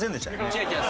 違う違う。